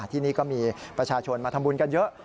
ที่นี่ก็มีประชาชนมาทำบุญกันเยอะ